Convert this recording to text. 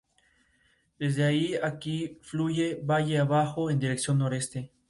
Desde aquí fluye valle abajo en dirección noreste.